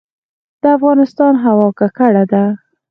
د افغانستان هوا ککړه ده